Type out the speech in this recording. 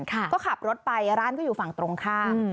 ก็ขับรถไปร้านก็อยู่ฝั่งตรงข้าม